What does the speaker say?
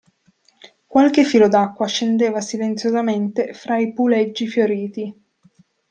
Qualche filo d'acqua scendeva silenziosamente fra i puleggi fioriti.